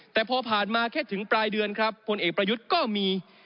แต่พอผ่านมาแค่ถึงปลายเดือนครับพลเอกประยุทธ์ก็มี